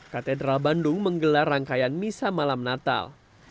katedral bandung menggelar rangkaian misa malam natal